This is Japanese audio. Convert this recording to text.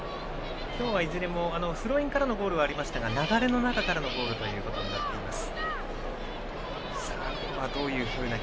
今日はいずれもスローインからのゴールはありましたが流れの中からのゴールとなっています。